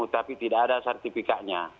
tapi tidak ada sertifikanya